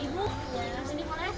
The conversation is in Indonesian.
ibu yang sini boleh